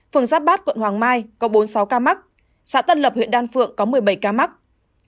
phường giáp bát quận hoàng mai có bốn mươi sáu ca mắc xã tân lập huyện đan phượng có một mươi bảy ca mắc